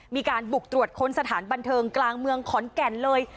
มีการบุกตรวจค้นสถานบันเทิงกลางเมืองขอนแก่นเลย